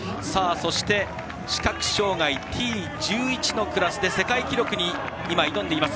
そして視覚障害Ｔ１１のクラスで世界記録に挑んでいます